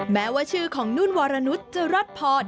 แม้ว่าชื่อของนุ่นวรนุษย์จะรัดพร